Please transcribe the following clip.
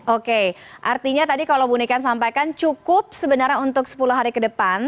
oke artinya tadi kalau bu niken sampaikan cukup sebenarnya untuk sepuluh hari ke depan